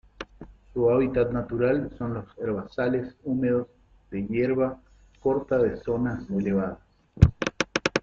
Su hábitat natural son los herbazales húmedos de hierba corta de zonas elevadas.